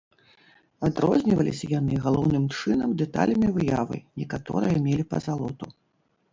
Адрозніваліся яны, галоўным чынам, дэталямі выявы, некаторыя мелі пазалоту.